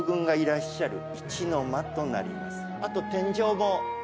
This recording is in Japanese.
あと天井も。